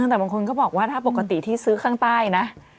แต่บางคนก็บอกว่าถ้าปกติที่ซื้อข้างใต้นะ